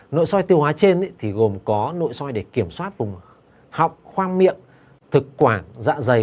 nội soi tiêu hóa trên thì gồm có nội soi để kiểm soát vùng họng khoang miệng thực quản dạ dày và nội soi tiêu hóa trên